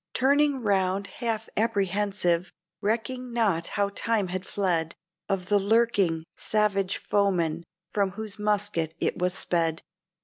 Turning round half apprehensive (recking not how time had fled) Of the lurking savage foeman from whose musket it was sped.